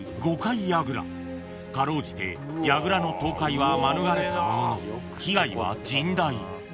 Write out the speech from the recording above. ［辛うじてやぐらの倒壊は免れたものの被害は甚大］